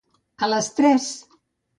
A les tres!